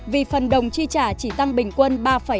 vì phần đồng chi trả chỉ tăng bình quân ba hai mươi ba